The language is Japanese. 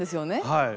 はい。